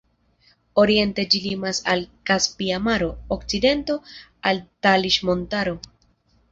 Oriente ĝi limas al Kaspia maro, okcidento al Taliŝ-Montaro.